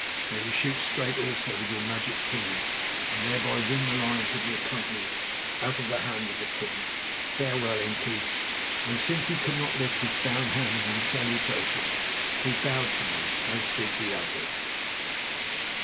May you shoot straight, also, with your magic tool, and thereby win the lives of your company out of the hand of the king. Farewell, Inkoos," and since he could not lift his bound hands in salutation, he bowed to me, as did the others.